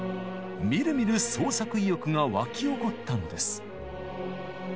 みるみる創作意欲が湧き起こったのです。